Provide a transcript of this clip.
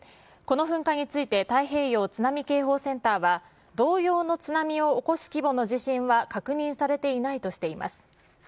この噴火について太平洋津波警報センターは、同様の津波を起こす規模の地震は確認されていないとしています。